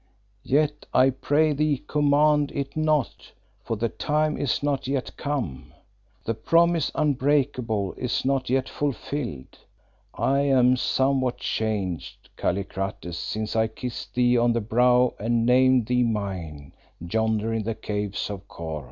Yet I pray thee command it not, for the time is not yet come; the promise unbreakable is not yet fulfilled. I am somewhat changed, Kallikrates, since I kissed thee on the brow and named thee mine, yonder in the Caves of Kôr."